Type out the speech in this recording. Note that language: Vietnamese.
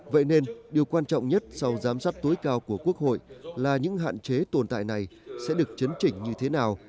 vậy nên điều quan trọng nhất sau giám sát tối cao của quốc hội là những hạn chế tồn tại này sẽ được chấn chỉnh như thế nào